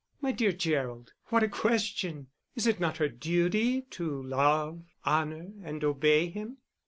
"My dear Gerald, what a question! Is it not her duty to love, honour, and obey him?"